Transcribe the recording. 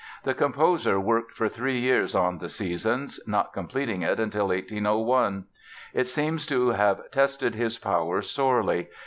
The composer worked for three years on "The Seasons", not completing it till 1801. It seems to have tested his powers sorely.